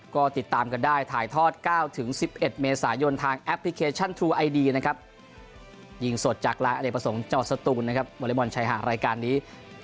วันตัวตูนนะครับวันละมันชายหารายการนี้